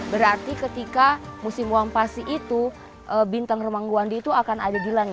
berarti ketika musim wampasi itu bintang rumangguandi itu akan ada di langit